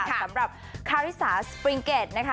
สำหรับคาริสาสปริงเกดนะคะ